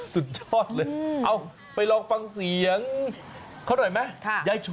สุดยอดเลยเอาไปลองฟังเสียงเขาหน่อยไหม